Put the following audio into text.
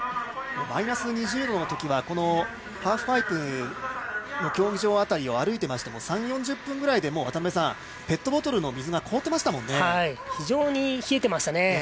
マイナス２０度のときはハーフパイプの競技場辺りを歩いていましても３０４０分ぐらいで渡辺さん、ペットボトルの水が非常に冷えていましたね。